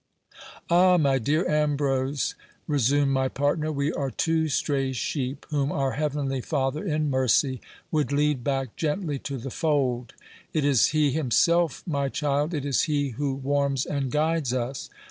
Ah ! my dear Ambrose, resumed my partner, we are two stray sheep, whom our Heavenly Father, in mercy, would lead back gently to the fold. It is he himself, my child, it is he who warms and guides us.